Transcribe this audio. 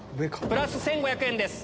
プラス１５００円です。